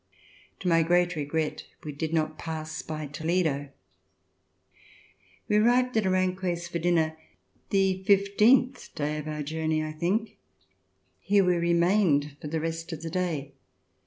To my great regret we did not pass by Toledo. We arrived at Aranjuez for dinner the fifteenth day of our journey, I think. Here we remained for the rest of the day.